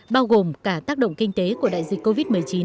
bao gồm cả tác động kinh tế của đại dịch covid một mươi chín